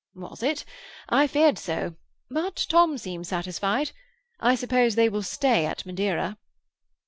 "Was it? I feared so; but Tom seems satisfied. I suppose they will stay at Madeira."